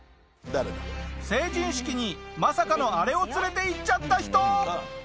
成人式にまさかのあれを連れて行っちゃった人！